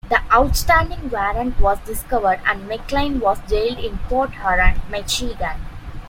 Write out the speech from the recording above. The outstanding warrant was discovered and McLain was jailed in Port Huron, Michigan.